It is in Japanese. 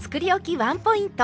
ワンポイント。